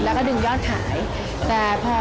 แล้วก็ดึงยอดขายแต่พอ